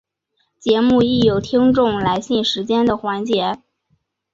节目亦有听众来信时间的环节。